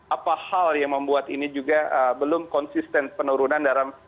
apa hal yang membuat ini juga belum konsisten penurunan dalam